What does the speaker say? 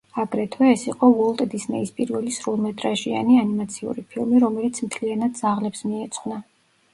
აგრეთვე, ეს იყო უოლტ დისნეის პირველი სრულმეტრაჟიანი ანიმაციური ფილმი, რომელიც მთლიანად ძაღლებს მიეძღვნა.